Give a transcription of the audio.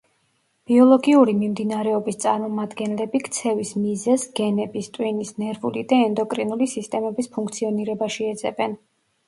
ბიოლოგიური მიმდინარეობის წარმომადგენლები ქცევის მიზეზს გენების, ტვინის, ნერვული და ენდოკრინული სისტემების ფუნქციონირებაში ეძებენ.